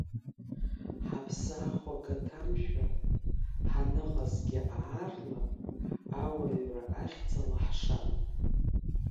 Ҳаԥсы ахәага ҭамшәа, ҳаныҟазгьы аарла, ауаҩра ахьӡала ҳшан.